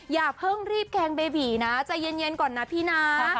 อย่าเพิ่งรีบแกงเบบีนะใจเย็นก่อนนะพี่นะ